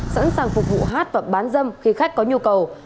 sẵn sàng phục vụ hát và bán dâm khi khách có nhu cầu